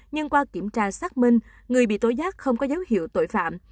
nhưng qua kiểm tra xác minh người bị tối giác không có dấu hiệu tội phạm